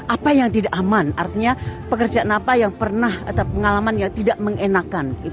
apa yang tidak aman artinya pekerjaan apa yang pernah atau pengalaman yang tidak mengenakan